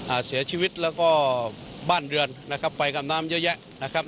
อ่าเสียชีวิตแล้วก็บ้านเรือนนะครับไฟกับน้ำเยอะแยะนะครับ